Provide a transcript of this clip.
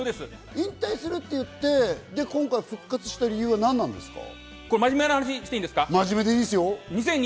引退するって言って、今回復活した理由はなんなんですか？